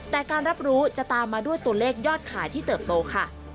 แต่การรับรู้จะตามมาด้วยตัวเลขยอดขายที่เติบโตค่ะ